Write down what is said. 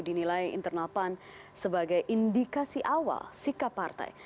dinilai internal pan sebagai indikasi awal sikap partai